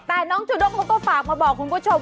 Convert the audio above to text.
แต่น้องจูด้งเขาก็ฝากมาบอกคุณผู้ชม